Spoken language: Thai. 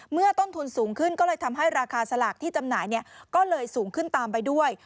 เมื่อต้นทุนสูงขึ้นก็เลยทำให้ราคาสลากที่จำหน่ายก็เลยสูงขึ้นตามไปด้วย